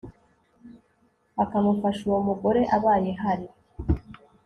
akamufasha. uwo mugore abaye hari